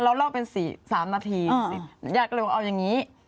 เราเล่าเป็น๓นาที๑๐อยากเลยเอาอย่างนี้